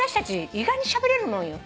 意外にしゃべれるもんよ。